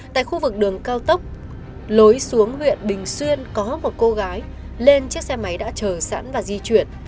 tại khu vực đường cao tốc lối xuống huyện bình xuyên có một cô gái lên chiếc xe máy đã chờ sẵn và di chuyển